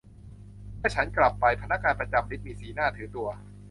เมื่อฉันกลับไป พนักงานประจำลิฟต์มีสีหน้าถือตัว